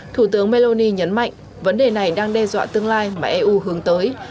thủ tướng meloni nhấn mạnh vấn đề này đang đe dọa tương lai mà eu hướng tới